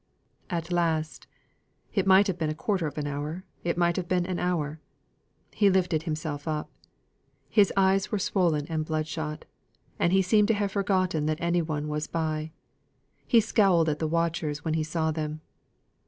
At last it might have been a quarter of an hour, it might have been an hour he lifted himself up. His eyes were swollen and bloodshot, and he seemed to have forgotten that any one was by; he scowled at the watchers when he saw them.